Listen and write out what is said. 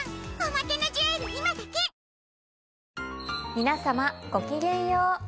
皆さまごきげんよう。